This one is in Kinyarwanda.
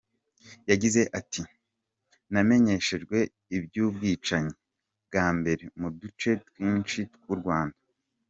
Yagize ati : ‘Namenyeshejwe iby’ubwicanyi bwabereye mu duce twinshi tw’u Rwanda.